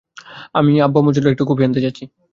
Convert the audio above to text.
আমি আব্বু-আম্মুর জন্য একটু কফি আনতে যাচ্ছি।